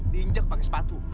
dinjak pake sepatu